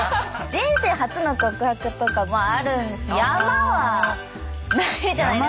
「人生初の告白」とかあるんですけど「山」はないじゃないですか。